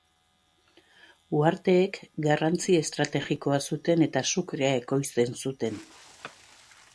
Uharteek garrantzi estrategikoa zuten eta azukrea ekoizten zuten.